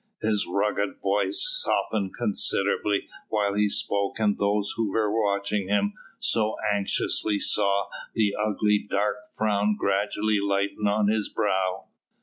His rugged voice softened considerably whilst he spoke, and those who were watching him so anxiously saw the ugly dark frown gradually lighten on his brow.